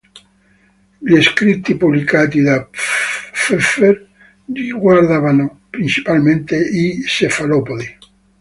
Gli scritti pubblicati da Pfeffer riguardavano principalmente i cefalopodi.